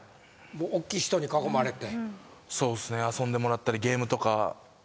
大きい人に囲まれて？